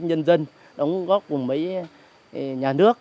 chặng đường một mươi năm